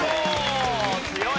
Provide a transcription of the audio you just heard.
強い！